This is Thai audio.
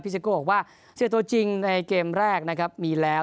ซิโก้บอกว่าเสียตัวจริงในเกมแรกนะครับมีแล้ว